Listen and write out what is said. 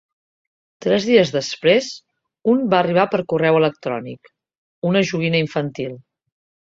Tres dies després, un va arribar per correu electrònic: una joguina infantil.